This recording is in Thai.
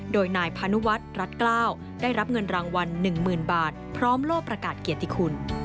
โดยนายพานุวัฒน์รัฐกล้าวได้รับเงินรางวัล๑๐๐๐บาทพร้อมโลกประกาศเกียรติคุณ